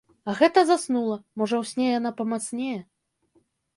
А гэта заснула, можа ў сне яна памацнее.